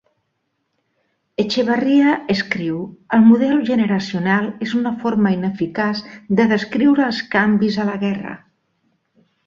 Echevarria escriu: el model generacional és una forma ineficaç de descriure els canvis a la guerra.